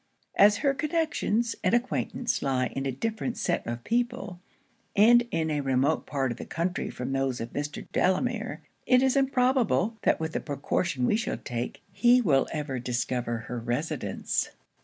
As her connections and acquaintance lie in a different set of people, and in a remote part of the country from those of Mr. Delamere, it is improbable, that with the precaution we shall take, he will ever discover her residence.'